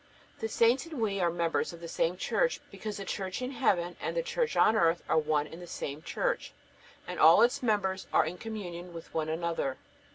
The saints and we are members of the same Church, because the Church in heaven and the Church on earth are one and the same Church, and all its members are in communion with one another.